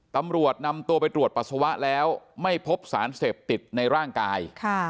ตำรวจนำตัวไปตรวจปัสสาวะแล้วไม่พบสารเสพติดในร่างกาย